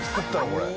これ。